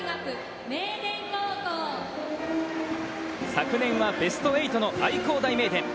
昨年はベスト８の愛工大名電。